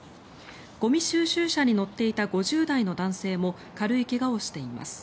ゴミ収集車に乗っていた５０代の男性も軽い怪我をしています。